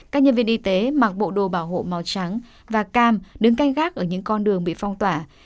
các nhân viên y tế mặc bộ đồ bảo hộ màu trắng và cam đứng canh gác ở những con đường bị phong tỏa